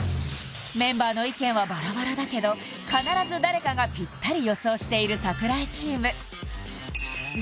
メンバーの意見はバラバラだけど必ず誰かがぴったり予想している櫻井チーム